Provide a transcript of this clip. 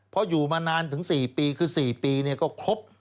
เพราะอยู่มานานถึง๔ปีคือ๔ปีก็ครบ